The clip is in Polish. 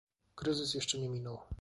Kryzys jeszcze nie minął